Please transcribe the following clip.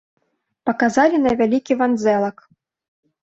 Паказалі на вялікі вандзэлак.